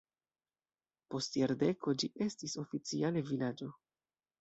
Post jardeko ĝi estis oficiale vilaĝo.